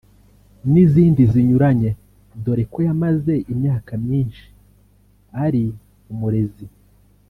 n’izindi zinyuranye dore ko yamaze imyaka myinshi ari umurezi